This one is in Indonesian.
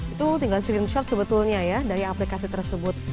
itu tinggal screenshot sebetulnya ya dari aplikasi tersebut